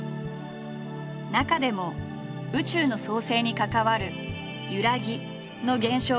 中でも宇宙の創生に関わる「ゆらぎ」の現象を解明。